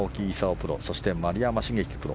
プロそして丸山茂樹プロ。